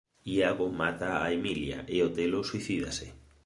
Iago mata a Emilia e Otelo suicídase.